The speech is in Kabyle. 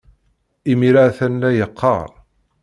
Imir-a, a-t-an la yeqqar.